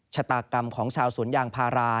ชะตากรรมของชาวสวนยางพารา